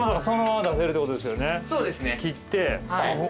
そうですね。切って。